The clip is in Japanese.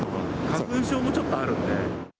花粉症もちょっとあるんで。